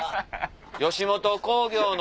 吉本興業の」。